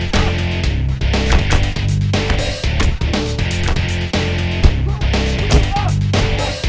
pergi lu semua